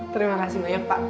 terima kasih banyak pak